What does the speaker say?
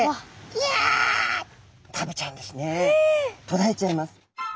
とらえちゃいます。